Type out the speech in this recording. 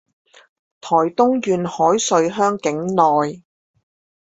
臺東縣海端鄉境內